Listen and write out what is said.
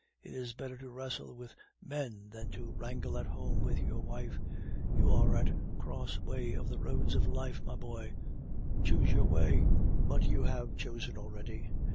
It is better to wrestle with men than to wrangle at home with your wife. You are at the crossway of the roads of life, my boy; choose your way. [*] Travaux forces, forced labour. "But you have chosen already.